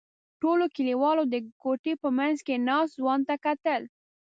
ټولو کلیوالو د کوټې په منځ کې ناست ځوان ته کتل.